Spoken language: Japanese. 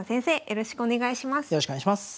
よろしくお願いします。